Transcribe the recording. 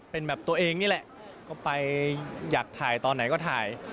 เป็นแบบตัวเองนี่แหละก็ไปอยากถ่ายตอนไหนก็ถ่าย